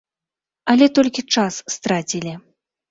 Але толькі час страцілі.